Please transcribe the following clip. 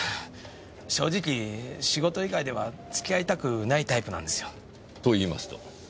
正直仕事以外では付き合いたくないタイプなんですよ。と言いますと？